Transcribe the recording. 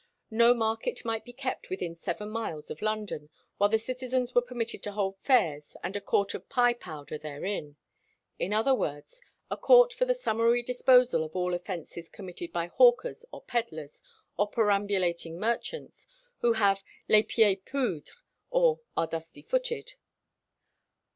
No market might be kept within seven miles of London, while the citizens were permitted to hold fairs and a court of "pye powder" therein; in other words, a court for the summary disposal of all offences committed by hawkers or peddlers, or perambulating merchants, who have les pieds poudres, or are "dusty footed."